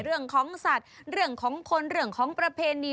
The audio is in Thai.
เรื่องของสัตว์เรื่องของคนเรื่องของประเพณี